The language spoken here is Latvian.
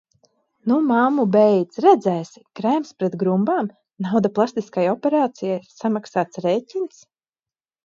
"Nu, mammu, beidz, redzēsi!" Krēms pret grumbām? Nauda plastiskajai operācijai, samaksāts rēķins?